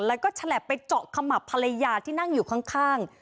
แล้วก็ฉลับไปเจาะขมับภรรยาที่นั่งอยู่ข้าง